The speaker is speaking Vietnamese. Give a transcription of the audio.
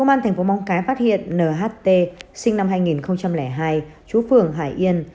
gái phát hiện nht sinh năm hai nghìn hai chú phường hải yên